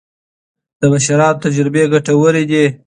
د مشرانو تجربې ګټورې دي.